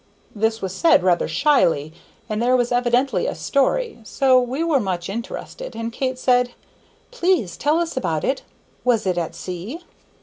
This was said rather shyly, and there was evidently a story, so we were much interested, and Kate said, "Please tell us about it; was it at sea?"